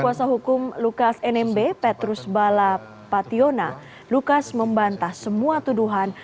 kuasa hukum lukas nmb petrus bala pationa lukas membantah semua tuduhan